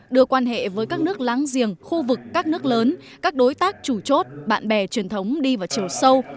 đưa quan hệ với các nước láng giềng khu vực các nước lớn các đối tác chủ chốt bạn bè truyền thống đi vào chiều sâu